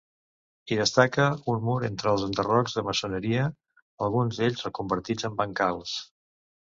Hi destaca un mur entre els enderrocs de maçoneria, alguns d'ells reconvertits en bancals.